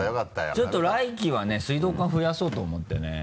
ちょっと来期はね水道管増やそうと思ってね。